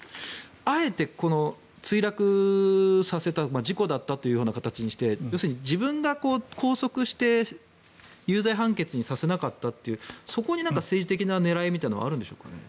あえてこの墜落させた事故だったというような形にして要するに、自分が拘束して有罪判決にさせなかったというそこに何か政治的な狙いというのはあるんでしょうかね。